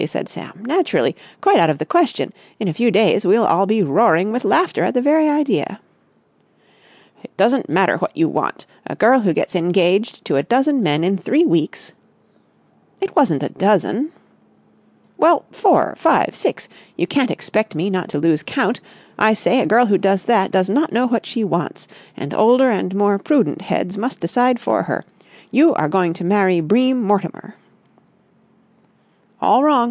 said Sam. "Naturally! Quite out of the question. In a few days we'll all be roaring with laughter at the very idea." "It doesn't matter what you want! A girl who gets engaged to a dozen men in three weeks...." "It wasn't a dozen!" "Well, four—five—six—you can't expect me not to lose count.... I say a girl who does that does not know what she wants, and older and more prudent heads must decide for her. You are going to marry Bream Mortimer!" "All wrong!